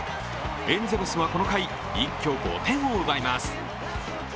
エンゼルスはこの回、一挙５点を奪います。